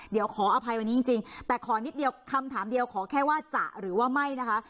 เดี๋ยวขออภัยวันนี้จริงแต่ขอนิดเดียวคำถามเดียวขอแค่ว่าจะหรือว่าไม่นะคะ